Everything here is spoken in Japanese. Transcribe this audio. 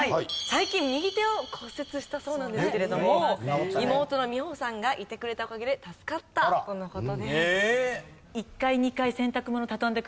最近右手を骨折したそうなんですけれども妹の美穂さんがいてくれたおかげで助かったとの事です。